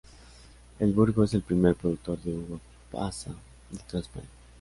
El Burgo es el primer productor de uva pasa de toda España.